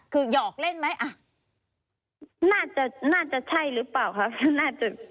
คือหยอกเล่นไหมน่าจะใช่หรือเปล่าครับน่าจะ